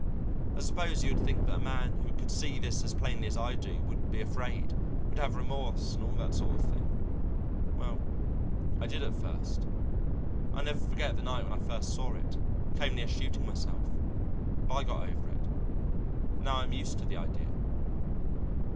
I suppose you would think that a man who could see this as plainly as I do would be afraid, would have remorse and all that sort of thing. Well, I did at first. I'll never forget the night when I first saw it; came near shooting myself, but I got over it, and now I'm used to the idea.